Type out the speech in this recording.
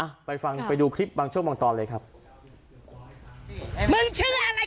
ไปฟังไปดูคลิปบางช่วงบางตอนเลยครับมึงชื่ออะไร